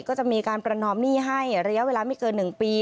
ก็จะมีการประนอมหนี้ให้ระยะเวลาไม่เกิน๑ปี